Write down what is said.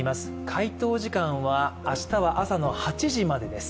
回答時間は明日は朝の８時までです。